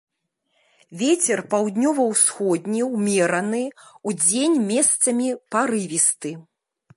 Вецер паўднёва-ўсходні ўмераны, удзень месцамі парывісты.